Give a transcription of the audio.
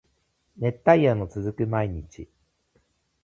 熱帯夜の続く毎日